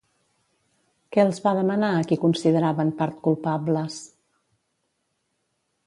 Què els va demanar a qui considerava en part culpables?